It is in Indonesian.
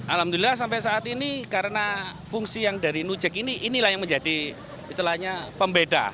alhamdulillah sampai saat ini karena fungsi yang dari nujek ini inilah yang menjadi istilahnya pembeda